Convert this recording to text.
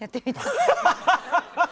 ハハハハハ。